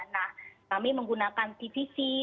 nah kami menggunakan tvc